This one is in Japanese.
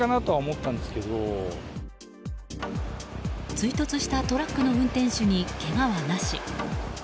追突したトラックの運転手にけがはなし。